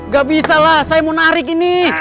gak bisa lah saya mau narik ini